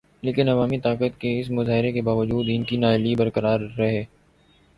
لیکن عوامی طاقت کے اس مظاہرے کے باوجود ان کی نااہلی برقرار ہے۔